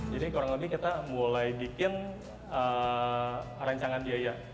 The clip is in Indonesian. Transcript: jadi kurang lebih kita mulai bikin rancangan biaya